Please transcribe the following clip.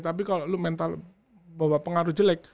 tapi kalau lo mental bawa pengaruh jelek